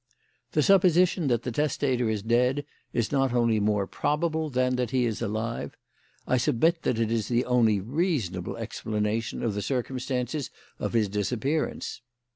The supposition that the testator is dead is not only more probable than that he is alive; I submit that it is the only reasonable explanation of the circumstances of his disappearance.